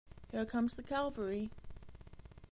Here comes the cavalry.